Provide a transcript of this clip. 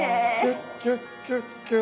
キュッキュッキュッキュッ。